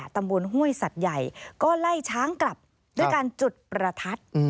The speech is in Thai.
ตำบลหวยไฮยก็ไล่ช้างกรับด้วยการจุดประทัด